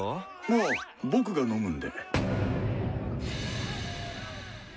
あ僕が飲むんで。